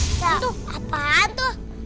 itu apaan tuh